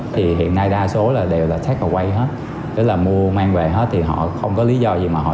thì hiện nay đa số là đều là take away hết đó là mua mang về hết thì họ không có lý do gì mà họ